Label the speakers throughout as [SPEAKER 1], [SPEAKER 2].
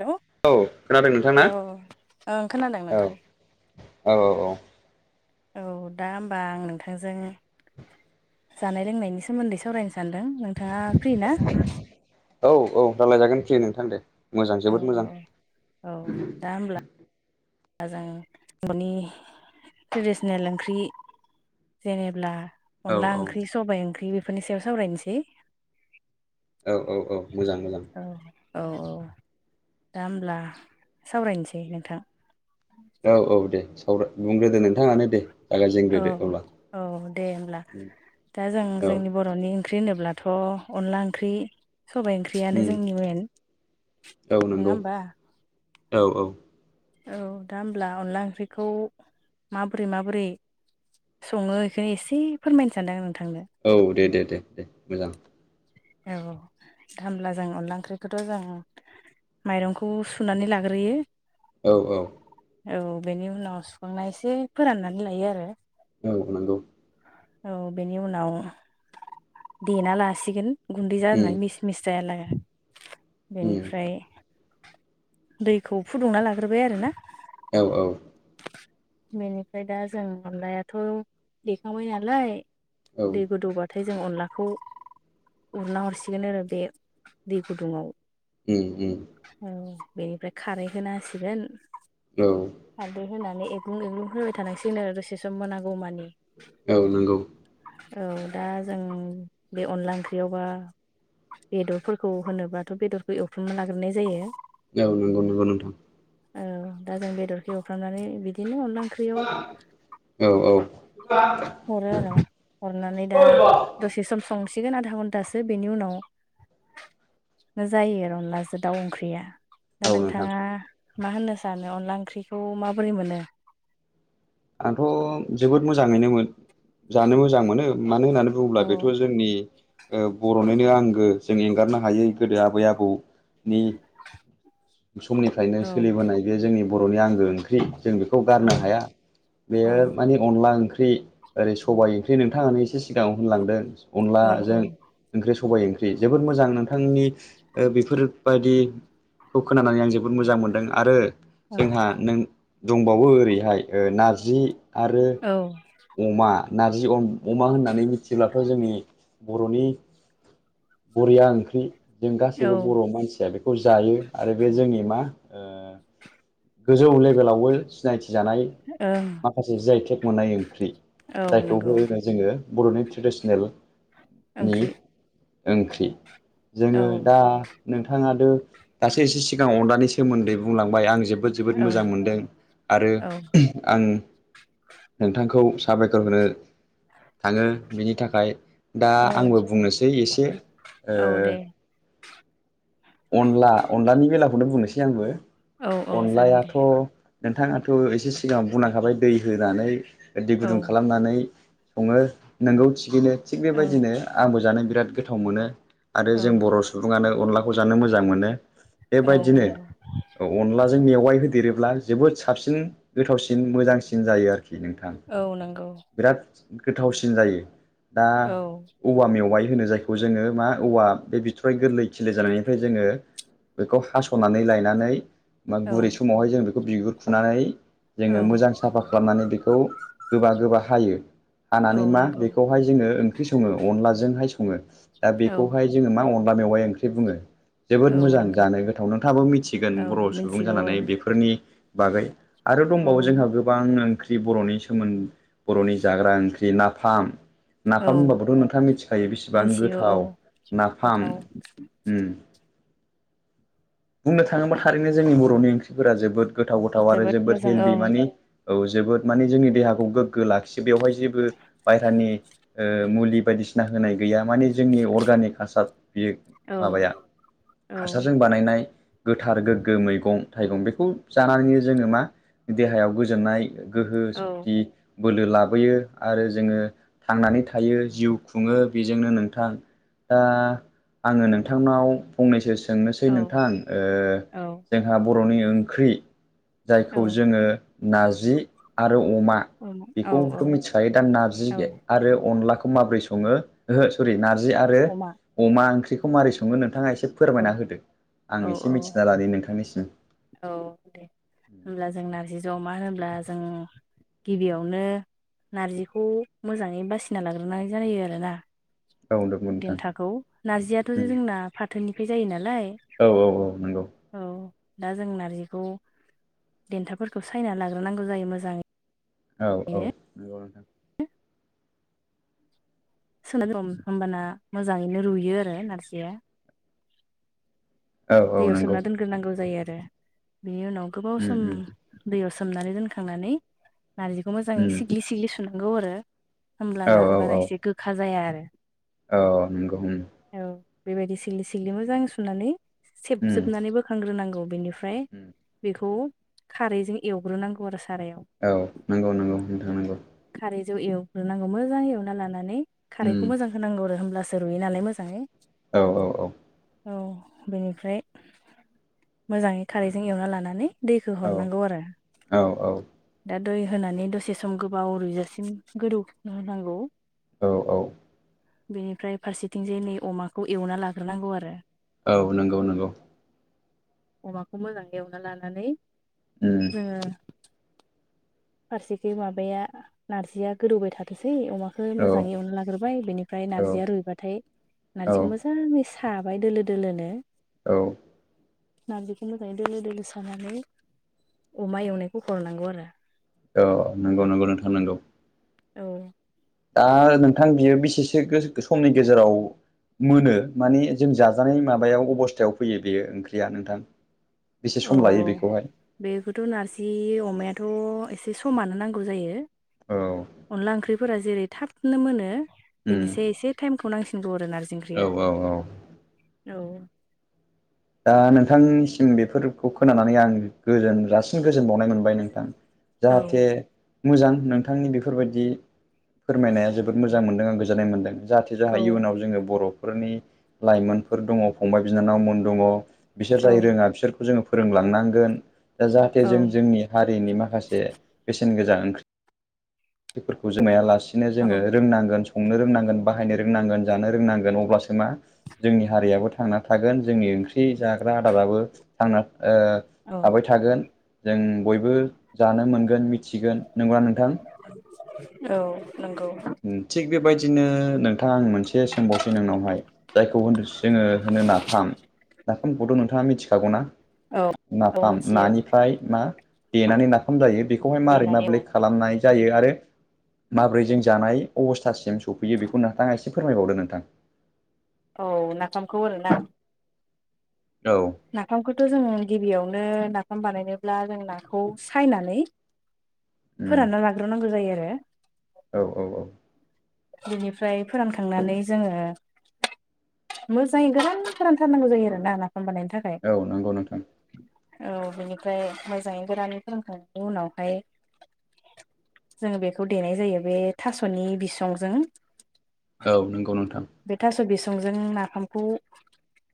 [SPEAKER 1] Hello
[SPEAKER 2] औ खोनादों नोंथांना
[SPEAKER 1] औ ओं खोनादों
[SPEAKER 2] औ
[SPEAKER 1] नोंथां
[SPEAKER 2] औ औ औ
[SPEAKER 1] औ दा होमबा आं नोंथांजों जानाय लोंनायनि सोमोन्दै सावरायनोस सानदों नोंथाङा फ्रि ना?
[SPEAKER 2] रालायजागोन फ्रि नोंथां दे मोजां
[SPEAKER 1] औ
[SPEAKER 2] जोबोद मोजां।
[SPEAKER 1] औ औ दा होमब्ला जों न'नि ट्रेडिसेनेल ओंख्रि जेनेब्ला
[SPEAKER 2] औ
[SPEAKER 1] अनला
[SPEAKER 2] औ
[SPEAKER 1] ओंख्रि सबाइ ओंख्रि बेफोरनि सायाव सावरायनोसै।
[SPEAKER 2] औ औ औ मोजां मोजां
[SPEAKER 1] औ औ औ दा होब्ला सावरायनोसै नोंथां।
[SPEAKER 2] औ औ दे सावरा बुंग्रोदो नोंथाङानो दे।
[SPEAKER 1] औ
[SPEAKER 2] जागायजेनग्रोदो अब्ला
[SPEAKER 1] औ दे होमब्ला दा जों
[SPEAKER 2] औ
[SPEAKER 1] जोंनि बर'नि ओंख्रि होनोब्ला थ' अनला ओंख्रि सबाय ओंख्रियानो
[SPEAKER 2] उम
[SPEAKER 1] जोंनि मेन।
[SPEAKER 2] औ
[SPEAKER 1] नोङा
[SPEAKER 2] नंगौ
[SPEAKER 1] होनबा
[SPEAKER 2] औ औ
[SPEAKER 1] औ दा होमब्ला अनला ओंख्रिखौ माबोरै माबोरै सङो इखौनो एसे फोरमायनो सानदों आं नों
[SPEAKER 2] औ दे दे दे दे मोजां।
[SPEAKER 1] औ होमब्ला जों अनला ओंख्रिखौथ' जों माइरंखौ सुनानै लाग्रोयो।
[SPEAKER 2] औ औ
[SPEAKER 1] औ बेनि उनाव सुखांना एसे फोराननानै लायो आरो
[SPEAKER 2] औ नंगौ।
[SPEAKER 1] औ बेनि उनाव देना लासिगोन। गुन्दै
[SPEAKER 2] उम
[SPEAKER 1] जानाय मिस मिस जानो
[SPEAKER 2] उम
[SPEAKER 1] बेनिफ्राय दैखौ फुदुंना लाग्रोबाय आरो ना
[SPEAKER 2] औ औ
[SPEAKER 1] बेनिफ्राय दा जों अनलायाथ' देखांबाय नालाय।
[SPEAKER 2] औ
[SPEAKER 1] दै गोदौबाथाय जों अनलाखौ उरना हरसिगोन आरो बे दै गुदुङाव।
[SPEAKER 2] ओम ओम
[SPEAKER 1] औ बेनिफ्राय खारै होना होसिगोन।
[SPEAKER 2] औ
[SPEAKER 1] खारदै होनानै एग्लुं एग्लुं होबबाय थानांसिगोन आरो दसे सम मोनागौ मानि।
[SPEAKER 2] औ नंगौ
[SPEAKER 1] औ दा जों बे अनला ओंख्रियावबा बेदरफोरखौ होनोबाथ' बेदरखौ एवफ्रामना लाग्रोनाय जायो।
[SPEAKER 2] औ नंगौ नंगौ नोंथां।
[SPEAKER 1] औ दा जों बेदरखौ एवफ्राननानै बिदिनो अनला ओंख्रियाव
[SPEAKER 2] औ
[SPEAKER 1] हरो आरो हरनानै दा दसे सम संसिगोन आधा घन्टासो बेनि उनाव जायो अनलाजों दाउ ओंख्रिया। दा
[SPEAKER 2] औ नोंथां
[SPEAKER 1] नोंथाङा मा होननो सानो अनला ओंख्रिखौ माबोरै मोनो?
[SPEAKER 2] आंथ' जोबोद मोजाङैनो मोन जानो मोजां मोनो। मानो होननानै बुङोब्ला
[SPEAKER 1] औ
[SPEAKER 2] बेथ' जोंनि ओ बर'निनो आंगो जों एंगारनो हायै गोदो आब बै आबौनि समनिफ्रायनो
[SPEAKER 1] औ
[SPEAKER 2] सोलिबोनाय बे जोंनि बर'नि आंगो ओंख्रि जों बेखौ
[SPEAKER 1] औ
[SPEAKER 2] गारनो हाया। बेयो माने अन ला ओंख्रि ओरै सबाय ओंख्रि नोंथाङानो एसे सिगाङाव होनलांदों।
[SPEAKER 1] औ
[SPEAKER 2] अनलाजों ओंख्रि स सबाइ ओंख्रि जोबोद मोजां नोंथांनि ओ बेफोरबायदि खौ खोनानानै आं जोबोद मोजां मोनदों आरो
[SPEAKER 1] औ
[SPEAKER 2] जोंहा नों दंबावो ओरैहाय ओ नारजि आरो
[SPEAKER 1] औ
[SPEAKER 2] अमा नारजि अमा होननानै मिथिब्लाथ' जोंनि बर'नि बरिया ओंख्रि जों
[SPEAKER 1] औ
[SPEAKER 2] गासैबो बर' मानसिया बे खौ जायो आरो बे जोंनि मा गोजौ लेभेलावबो सिनायथि जानाय
[SPEAKER 1] ओं
[SPEAKER 2] माखासे जिआइटेक मोननाय ओंख्रि
[SPEAKER 1] औ
[SPEAKER 2] जायखौ
[SPEAKER 1] नंगौ
[SPEAKER 2] होनो जोङो बर'नि ट्रेडिसनेल
[SPEAKER 1] ओंख्रि
[SPEAKER 2] ओंख्रि
[SPEAKER 1] औ
[SPEAKER 2] जोङो दा नोंथाङा दो दासै एसो सिगां अनलानि सोमोन्दै बुंलांबाय आं जेबो जोबोद जोबोद मोजां मोनदों आरो
[SPEAKER 1] औ
[SPEAKER 2] आं नोंथां खौ साबायखर होनो थाङो बिनि थाखाय दा
[SPEAKER 1] औ
[SPEAKER 2] आंबो बुंनोसै एसे ओ
[SPEAKER 1] औ दे
[SPEAKER 2] अनला अनलानि बेलाखौनो बुंनोसै
[SPEAKER 1] औ औ जागोन दे
[SPEAKER 2] आंबो नोंथाङाथ' एसे सिगाङाव बुंलांखाबाय दै होनानै दै
[SPEAKER 1] औ
[SPEAKER 2] गुदुं खालामनानै सङो नोंगौ थिगैनो थिग
[SPEAKER 1] औ
[SPEAKER 2] बेबायदिनो आंबो जानो बिराद गोथाव मोनो आरो
[SPEAKER 1] औ
[SPEAKER 2] जों बर' सुबुङानो अनलाखौ जानो मोजां मोनो
[SPEAKER 1] औ
[SPEAKER 2] बेबायदिनो
[SPEAKER 1] नंगौ
[SPEAKER 2] अनला जों मेवाइ होदेरोब्ला जोबोद साबसिन गोथावसिन मोजांसिन जायो आरोखि नोंथां
[SPEAKER 1] औ नंगौ
[SPEAKER 2] बिराद गोथावसिन जायो दा
[SPEAKER 1] औ
[SPEAKER 2] औवा मेवाइ होनो जायखौ जोङो मा औवा बे बिथराइ गोरलै खि लि जानायनिफ्राय जोङो बेखौ हास'नानै लायनानै मा गुरै
[SPEAKER 1] औ
[SPEAKER 2] समावहाय जों बे बेखौ बिगुर खुनानै
[SPEAKER 1] औ
[SPEAKER 2] जोङो मोजां साफा खालामनानै बेखौ गोबा गोबा हायो।
[SPEAKER 1] औ
[SPEAKER 2] हानानै मा
[SPEAKER 1] नंगौ
[SPEAKER 2] बेखौहाय जोङो ओंख्रि सङो अनलाजोंहाय सङो दा
[SPEAKER 1] औ
[SPEAKER 2] बेखौहाय जोङो मा अन औवा मेवाइ ओंख्रि बुङो।
[SPEAKER 1] औ
[SPEAKER 2] जोबोद मोजां
[SPEAKER 1] नंगौ
[SPEAKER 2] जानो गोथाव नोंथाङाबो मिथिगोन
[SPEAKER 1] औ
[SPEAKER 2] बर' सुबुं
[SPEAKER 1] मिथिगौ
[SPEAKER 2] जानानै बेफोरनि बागै आरो
[SPEAKER 1] औ
[SPEAKER 2] दंबावो जोंहा गोबांनो ओं ओंख्रि बर'नि नाफाम
[SPEAKER 1] औ
[SPEAKER 2] होनबाबोथ' नोंथाङा मिथिखायो बिसिबां
[SPEAKER 1] मिथिगौ औ
[SPEAKER 2] गोथाव नाफाम
[SPEAKER 1] गोथाव
[SPEAKER 2] उम बुंनो थाङोब्ला थारैनो जोंनि बर'नि ओंख्रिफोरा जोबोद गोथाव गोथाव आरो जोबोद
[SPEAKER 1] मोजां
[SPEAKER 2] हेलदि
[SPEAKER 1] ओं
[SPEAKER 2] मानि औ जोबोद माने जोंनि देहाखौ गोग्गो लाखियो बेवहाय जेबो बायहेरानि मुलि बायदि बायदिसिना होनाय गैया माने जोंनि अर्गानिक हासार बियो
[SPEAKER 1] औ
[SPEAKER 2] माबाया
[SPEAKER 1] औ
[SPEAKER 2] हासारजों बानायनाय गोथार गोग्गो मैगं थाइगं बेखौ जानानैनो जोङो मा देहायाव गोजोननाय गोहो
[SPEAKER 1] औ
[SPEAKER 2] सक्ति बोलो लाबोयो आरो जोङो थांनानै थायो जिउ खुङो बेजोंनो नोंथां दा आङो नों नोंथांनाव फंनैसो सोंनोसै
[SPEAKER 1] औ
[SPEAKER 2] नोंथां जोंहा बर'नि ओंख्रि जायखौ
[SPEAKER 1] औ
[SPEAKER 2] जोङो नारजि आरो अमा
[SPEAKER 1] औ औ
[SPEAKER 2] बेखौथ' मिथिखायो दा नारजि
[SPEAKER 1] औ
[SPEAKER 2] आरो अनला माबोरै सङो ओहो सरि नारजि आरो
[SPEAKER 1] अमा
[SPEAKER 2] अमा ओंंख्रिखौ माबोरै सङो नोंथाङा एसे
[SPEAKER 1] औ
[SPEAKER 2] फोरमायना होदो
[SPEAKER 1] औ
[SPEAKER 2] आं एसे
[SPEAKER 1] औ
[SPEAKER 2] मिथिना लानि नोंथांनिसिम
[SPEAKER 1] नारजिजों अमा होनोब्ला जों गिबियावनो नारजिखौ मोजाङै बासिना लाग्रोनाय जायो आरोना
[SPEAKER 2] औ नंगौ नोंथां
[SPEAKER 1] देन्थाखौ नारजियाथ' जोंना फाथोनिफ्राय जायो नालाय
[SPEAKER 2] औ औ औ नंगौ
[SPEAKER 1] औ दा जों नारजिखौ देन्थाफोरखौ सायना लाग्रोनांगौ जायो मोजाङै
[SPEAKER 2] औ औ नंगौ नोंथां
[SPEAKER 1] सोन सम होनोमबाना मोजाङैनो रुयो आरो नारजिया
[SPEAKER 2] औ औ
[SPEAKER 1] दैयाव
[SPEAKER 2] नंगौ
[SPEAKER 1] सोमना दोनग्रोरनांगौ जायो आरो बिनि उनाव गोबाव
[SPEAKER 2] औ
[SPEAKER 1] सम दैयाव सोमनानै दोनखांनानै नार्जिखौ मोजाङै सिग्लि सिग्लि सुनांगौ आरो होमब्लाना
[SPEAKER 2] औ
[SPEAKER 1] बारा
[SPEAKER 2] औ
[SPEAKER 1] एसे गोखा जाया आरो
[SPEAKER 2] औ नंगौ हुम
[SPEAKER 1] औ बेबायदि सिग्लि सिग्लि मोजां सुनानै
[SPEAKER 2] औ
[SPEAKER 1] सेबजोबनानै बोखांग्रोनांगौ बेनिफा फ्राय बेखौ खारैजों एवग्रोनांगौ आरो सारायाव
[SPEAKER 2] औ नंगौ नंगौ नोंथां नांगौ
[SPEAKER 1] रैजौ एवग्रोनांगौ मोजां एवना लानानै खारैखौ मोजां होनांगौ आरो होमब्लासो रुयो नालाय मोजाङै
[SPEAKER 2] औ औ
[SPEAKER 1] औ बेनिफ्राय मोजाङै खारैजों एवना लानानै दैखौ
[SPEAKER 2] औ
[SPEAKER 1] हरनांगौ आरो दा दै होनानै दसे सम गो बाव रुयजासिम गोदौ होनांगौ
[SPEAKER 2] औ औ
[SPEAKER 1] बेनिफ्राय फारसेथिंजाय नै अमाखौ एवना लाग्रोनांगौ आरो
[SPEAKER 2] औ नोंगौ नोंगौ
[SPEAKER 1] अमाखौ मोजां एवना लानानै
[SPEAKER 2] उम
[SPEAKER 1] जोङो फारसेखै माबाया नार्जिया गोदौबाय थाथोंसै अमा खै
[SPEAKER 2] औ
[SPEAKER 1] मोजाङै एवना लाग्रोबाय बेनिफ्राय
[SPEAKER 2] औ
[SPEAKER 1] नार्जिया रुयबाथाय
[SPEAKER 2] औ
[SPEAKER 1] नार्जिखौ मोजाङै साबाय दोलो दोलोनो
[SPEAKER 2] औ
[SPEAKER 1] नार्जिखो मोजाङै दोलो दोलो सानानै अमा एवनायखौ हरनांगौ आरो
[SPEAKER 2] औ नंगौ नंगौ नोंथां नंगौ
[SPEAKER 1] औ
[SPEAKER 2] दा नोंथां बियो बेसेसो गो समनि गेजेराव मोनो माने जों जाजानाय माबायाव अबस्थायाव फैयो बेयो ओंख्रिया नोंथां बेसे
[SPEAKER 1] अ
[SPEAKER 2] सम लायो बेखौहाय
[SPEAKER 1] बेखौथ' नार्जि अमाया थ' एसे समानो नांगौ जायो
[SPEAKER 2] औ
[SPEAKER 1] अनला ओंख्रिफोरा जेरै थाबनो मोनो
[SPEAKER 2] उम
[SPEAKER 1] बेनिसाय एसे टाइमखौ नांसिनगौ आरो नार्जि
[SPEAKER 2] औ
[SPEAKER 1] ओंख्रियाव
[SPEAKER 2] औ औ
[SPEAKER 1] औ
[SPEAKER 2] दा नोंथांनिसिम बेफोरखौ खोनानानै आं गोजोन जासिम गोजोनबावनाय मोनबाय नोंथां
[SPEAKER 1] औ
[SPEAKER 2] जाहाथे मोजां नोंथांनि बेफोरबायदि फोरमायनाया जोबोद मोजां मोनदों आरों गोजोननाय मोनदों। जाहाथे जाहा
[SPEAKER 1] औ
[SPEAKER 2] इयुनाव जोङो बर'फोरनि लाइमोनफोर दङ फंबाय बिनानावमोन दङ। बिसोर जाय रोङा बिसोरखौ जोङो फोरोंलांनांगोन दा जाहाथे
[SPEAKER 1] औ
[SPEAKER 2] जों जोंनि हारि रिनि माखासे बेसेन गोजा ओंख्रिफोरखौ जमाया लासे सिनो
[SPEAKER 1] औ
[SPEAKER 2] जोङो रोंनांगोन संनो रोंनांगोन बाहायनो रोंनांगोन जानो रोंनांगोन अब्लासो मा जोंनि हारियाबो थांना थागोन। जोंनि ओंख्रि जाग्रा आदाराबो थांना ओ
[SPEAKER 1] औ
[SPEAKER 2] थाबाय थागोन। जों बयबो जानो मोनगोन मिथिगोन नंगौना नोंथां?
[SPEAKER 1] औ नंगौ
[SPEAKER 2] बायदिनो नोंथां आं मोनसे सोंबावसै नोंनावहाय जायखौ जोङो होनो नाफाम नाफामखौथ' नोंथाङा मिथिखागौ ना
[SPEAKER 1] औ औ
[SPEAKER 2] नाफाम
[SPEAKER 1] मिथियो
[SPEAKER 2] नानिफ्राय मा देनानै नाफाम जायो बे खौहाय मारै
[SPEAKER 1] देनानै औ
[SPEAKER 2] माब्लै खालामनाय जायो आरो माबोरै जों जानाय अबस्थासिम सौफैयो बेखौ नोंथाङा एसे फोरमायबावदो नोंथां
[SPEAKER 1] औ नाफामखौ आरोना
[SPEAKER 2] औ
[SPEAKER 1] नाफामखोथ' जों गिबियावनो ना फाम बानायनोब्ला जों नाखौ सायनानै
[SPEAKER 2] उम
[SPEAKER 1] फोरानना लाग्रोनांगौ जायो आरो [unintelligible]
[SPEAKER 2] औ औ औ
[SPEAKER 1] बिनिफ्राय फोरानखांनानै जोङो मोजाङै गोरान फोरानथारनांगौ जायो आरोना नाफाम बानायनो थाखाय
[SPEAKER 2] औ नंगौ नोंथां
[SPEAKER 1] औ बेनिफ्राय मोजाङै गोरानै फोरानखांनायनि उनावहाय जों बेखौ देनाय जायो बे थास'नि बिसंजों
[SPEAKER 2] औ नंगौ नोंथां
[SPEAKER 1] बे [unintelligible] नाफामखौ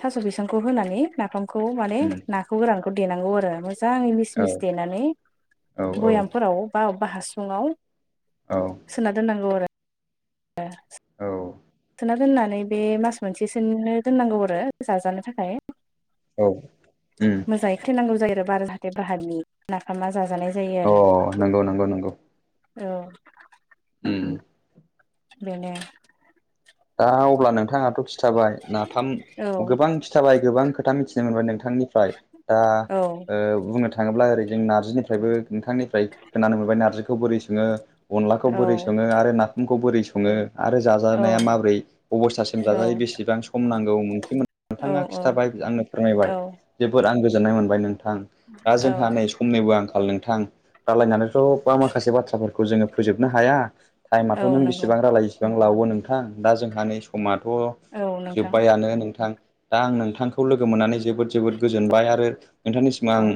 [SPEAKER 1] थास' बिसंखौ होनानै नाफामखौ माने
[SPEAKER 2] उम
[SPEAKER 1] नाखौ ना गोरान देनांगौ आरो मोजाङै मिस
[SPEAKER 2] औ
[SPEAKER 1] मिस देनानै
[SPEAKER 2] औ औ
[SPEAKER 1] बयामफोराव बा हासुङाव
[SPEAKER 2] औ
[SPEAKER 1] सोना दोननांगौ आरो ए
[SPEAKER 2] औ
[SPEAKER 1] सोना दोननानै बे मास मोनसेसोनो दोननांगौ आरो जाजानो थाखाय
[SPEAKER 2] औ उम
[SPEAKER 1] मोजाङै खैनांगौ जायो आरो बार जाहाथे बाहारनि नाफामा जाजानाय जायो
[SPEAKER 2] अ
[SPEAKER 1] आरो
[SPEAKER 2] नंगौ नंगौ नंगौ
[SPEAKER 1] औ
[SPEAKER 2] उम
[SPEAKER 1] बेनोे
[SPEAKER 2] दा अब्ला नोंथाङाथ' खि खिथाबाय नाफाम
[SPEAKER 1] औ
[SPEAKER 2] गोबां खिथाबाय गोबां खोथा मिथिनो मोनबाय नोंथांनिफ्राय दा
[SPEAKER 1] औ
[SPEAKER 2] बुंनो थाङोब्ला ओरै जों नार्जिनिफ्रायबो नोंथांनिफ्राय खोनानो मोनबाय नार्जिखौ बोरै सोङो अनलाखौ
[SPEAKER 1] औ
[SPEAKER 2] बोरै सङो आरो नाफामखौ बोरै सङो आरो
[SPEAKER 1] औ
[SPEAKER 2] जाजानाया माबोरै अबस्थासिम जाजायो बेसेबां सम नांगौ ओंख्रि मोन
[SPEAKER 1] औ
[SPEAKER 2] नोंथाङा खिन्थाबाय आंनो फोरमायबाय
[SPEAKER 1] औ
[SPEAKER 2] जोबोद आं गोजोननाय मोनबाय नों थां दा जोंहा नै समनिबो आंखाल नों आं रायलायनानै [unintelligible] माखासे बाथ्राफोरखौ जोङो फोजोबनो हाया
[SPEAKER 1] औ
[SPEAKER 2] टाइमाथ' नों
[SPEAKER 1] नंगौ
[SPEAKER 2] बेसिबां रायलाय इसेबां लावो नोंथां दा जोंहा नै समाथ'
[SPEAKER 1] औ नोंथां
[SPEAKER 2] जोब्बायानो नोंथां दा आं नोंथांखौ लोगो मोननानै ज जोबोद जोबोद गोजोनबाय आरो नोंथांनिसिम आं‌
[SPEAKER 1] औ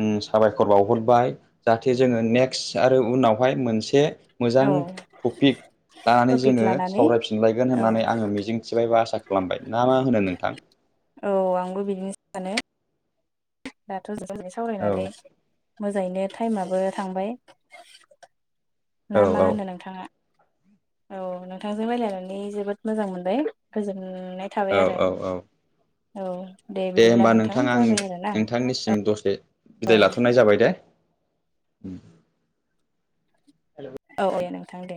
[SPEAKER 2] उम साबायखर बावहरबाय जाहाथे जोङो नेक्स्ट आरो उनावहाय मोनसे मोजां
[SPEAKER 1] औ
[SPEAKER 2] टपिक लानानै
[SPEAKER 1] टपिक
[SPEAKER 2] जोङो
[SPEAKER 1] लानानै
[SPEAKER 2] सावरायफिन गोन
[SPEAKER 1] औ
[SPEAKER 2] होननानै आङो मिजिंथिबायबा आसा खालामबाय ना मा होनो नोंथां
[SPEAKER 1] औ आंबो बिदिनो सानो दाथ' [unintelligible]
[SPEAKER 2] औ
[SPEAKER 1] सावरायनानै मोजाङैनो टाइमाबो थांबाय
[SPEAKER 2] औ
[SPEAKER 1] मा
[SPEAKER 2] औ
[SPEAKER 1] होनो नोंथाङा औ नोंथांजों रायलायनानै जोबोद मोजां मोनबाय गोजोन
[SPEAKER 2] औ औ‌ औ
[SPEAKER 1] औ
[SPEAKER 2] दे
[SPEAKER 1] बिदिब्ला
[SPEAKER 2] होमबा नोंथां आं
[SPEAKER 1] जाबाय आरोना
[SPEAKER 2] नोंथांनिसिम दसे
[SPEAKER 1] औ
[SPEAKER 2] बिदाय लाथ'नाय जाबाय दे उम
[SPEAKER 1] औ ए नोंथां दे